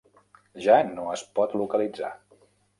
Ja no es pot localitzar.